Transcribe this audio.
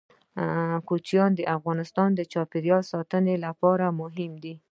کوچیان د افغانستان د چاپیریال ساتنې لپاره مهم دي.